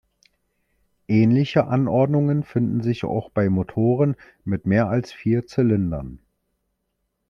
Ähnliche Anordnungen finden sich auch bei Motoren mit mehr als vier Zylindern.